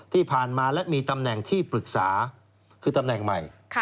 ที่ผ่านมาและมีตำแหน่งที่ปรึกษาคือตำแหน่งใหม่